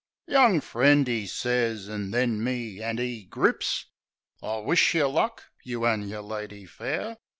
"Young friend," 'e sez — an' then me 'and 'e grips — "I wish't yeh luck, you an' yer lady fair.